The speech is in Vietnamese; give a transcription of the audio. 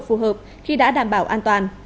phù hợp khi đã đảm bảo an toàn